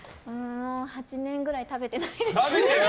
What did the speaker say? ８年くらい食べてないですね。